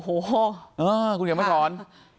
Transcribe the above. โอ้โหคุณเห็นไหมทอน